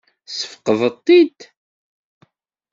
Tessefqed-it?